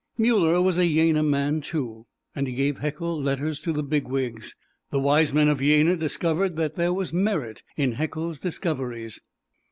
Muller was a Jena man, too, and he gave Haeckel letters to the bigwigs. The wise men of Jena discovered that there was merit in Haeckel's discoveries.